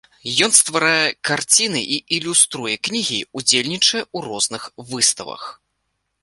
Ён стварае карціны і ілюструе кнігі, удзельнічае ў розных выставах.